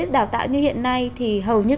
đào tạo như hiện nay thì hầu như